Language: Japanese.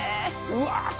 うわ。